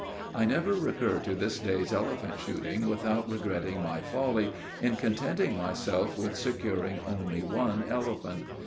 I never recur to this day's elephant shooting without regretting my folly in contenting myself with securing only one elephant.